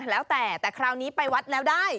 แล้วแต่แต่คราวนี้ไปวัดแล้วได้